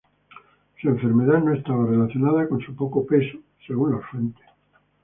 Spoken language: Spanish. Su enfermedad no estaba relacionada con su corte peso, según las fuentes.